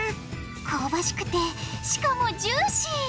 香ばしくてしかもジューシー！